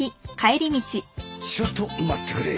ちょっと待ってくれ。